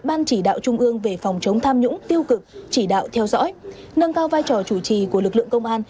ban chỉ đạo trung ương về phòng chống tham nhũng tiêu cực chỉ đạo theo dõi nâng cao vai trò chủ trì của lực lượng công an